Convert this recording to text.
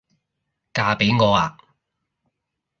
嫁畀我吖？